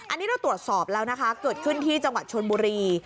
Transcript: อันนี้เราตรวจสอบแล้วนะคะเกิดขึ้นที่จังหวัดชนบุรี